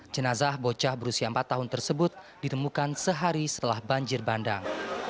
jenazah bocah berusia empat tahun tersebut ditemukan sehari setelah banjir bandang